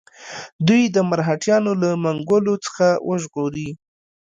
دوی د مرهټیانو له منګولو څخه وژغوري.